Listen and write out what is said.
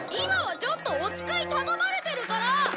い今はちょっとお使い頼まれてるから。